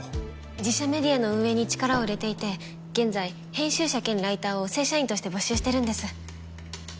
自社メディアの運営に力を入れていて現在編集者兼ライターを正社員として募集してるんです。